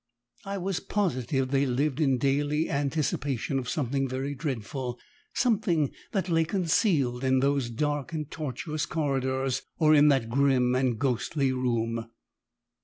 I was positive they lived in daily anticipation of something very dreadful something that lay concealed in those dark and tortuous corridors or in that grim and ghostly room.